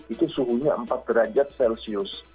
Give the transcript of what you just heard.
itu suhunya empat derajat celcius